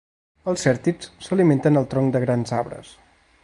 Els cèrtids s'alimenten al tronc de grans arbres.